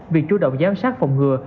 việc chủ động giám sát phòng ngừa